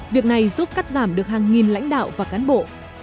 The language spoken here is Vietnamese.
việc này giúp cắt giảm được hàng nghìn lãnh đạo và cán bộ